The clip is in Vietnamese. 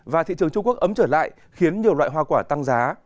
và thị trường trung quốc ấm trở lại khiến nhiều loại hoa quả tăng giá